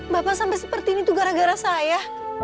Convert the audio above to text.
bapak sampai seperti ini tuh gara gara saya